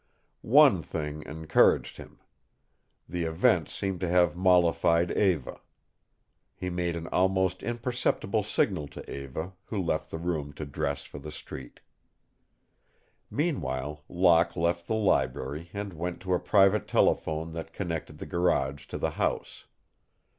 One thing encouraged him. The events seemed to have mollified Eva. He made an almost imperceptible signal to Eva, who left the room to dress for the street. Meanwhile Locke left the library and went to a private telephone that connected the garage to the house.